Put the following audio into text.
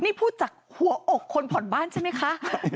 นี่พูดจากหัวอกคนผ่อนบ้านใช่ไหมคะ